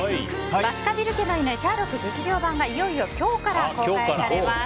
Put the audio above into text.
「バスカヴィル家の犬シャーロック劇場版」がいよいよ今日から公開されます。